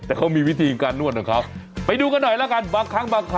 แต่เขามีวิธีการนวดของเขาไปดูกันหน่อยแล้วกันบางครั้งบางครั้ง